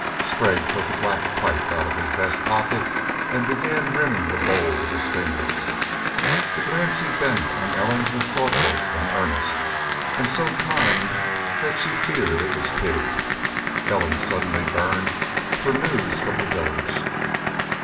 Sprague took a black pipe out of his vest pocket and began rimming the bowl with his fingers. The glance he bent on Ellen was thoughtful and earnest, and so kind that she feared it was pity. Ellen suddenly burned for news from the village.